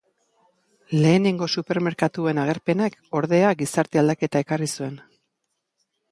Lehenengo supermerkatuen agerpenak ordea, gizarte aldaketa ekarri zuen.